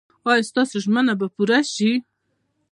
ایا ستاسو ژمنه به پوره شي؟